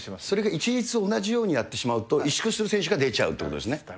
それが一律同じようにやってしまうと、委縮する選手が出ちゃうということですね。